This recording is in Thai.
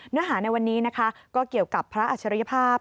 เนื้อหาในวันนี้นะคะก็เกี่ยวกับพระอัจฉริยภาพ